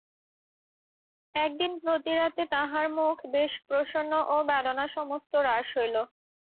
একদিন প্রাতে তাঁহার মুখ বেশ প্রসন্ন ও বেদনা সমস্ত হ্রাস হইল।